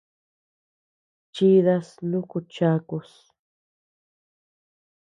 Chidas nuku chakus.